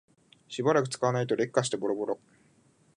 しばらく使わないと劣化してボロボロ